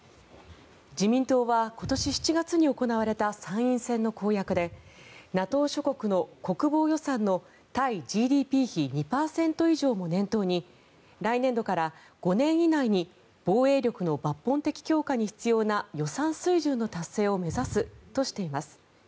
自民党は今年７月に行われた参院選の公約でＮＡＴＯ諸国の国防予算の対ＧＤＰ比２％以上も念頭に来年度から５年以内に防衛力の抜本的強化に必要な予算水準の達成を目指すとしています。